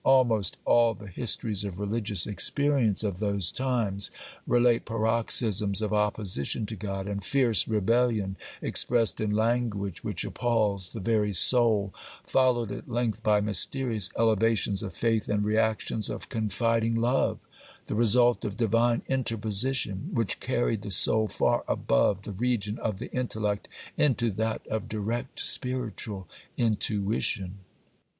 Almost all the histories of religious experience of those times relate paroxysms of opposition to God and fierce rebellion, expressed in language which appals the very soul, followed at length by mysterious elevations of faith and reactions of confiding love, the result of Divine interposition, which carried the soul far above the region of the intellect, into that of direct spiritual intuition.